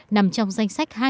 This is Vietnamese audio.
nằm trong danh sách